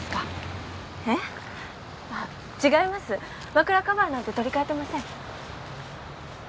枕カバーなんて取り替えてません。